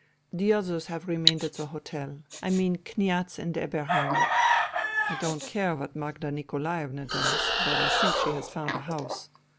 The others have remained at the hotel — I mean Kniaz and Eberheim. I don't care what Magda Nikolaevna does, but I think she has now found a house.